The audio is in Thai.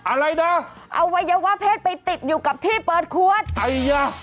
อะไรนะอวัยวะเพศไปติดอยู่กับที่เปิดขวดไอยา